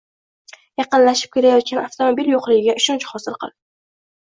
yaqinlashib kelayotgan avtomobil yo‘qligiga ishonch hosil qil